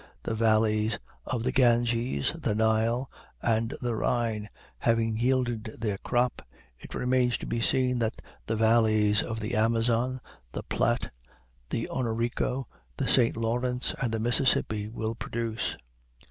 The valleys of the Ganges, the Nile, and the Rhine, having yielded their crop, it remains to be seen what the valleys of the Amazon, the Plate, the Orinoco, the St. Lawrence, and the Mississippi will produce.